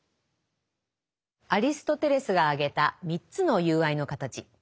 アリストテレスが挙げた３つの友愛の形。